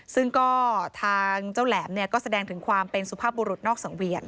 ซึ่งก็ทางเจ้าแหลมเนี่ยก็แสดงถึงความเป็นสุภาพบุรุษนอกสังเวียน